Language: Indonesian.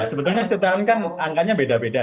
sebetulnya setelah angkanya beda beda